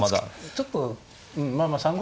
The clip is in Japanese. ちょっとまあまあ３五